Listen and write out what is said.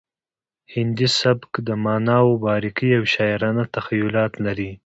هندي سبک د معناوو باریکۍ او شاعرانه تخیلات لري